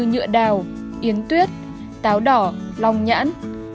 nhựa đào yến tuyết táo đỏ lòng nhãn